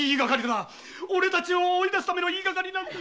おれたちを追い出すための言いがかりなんだ！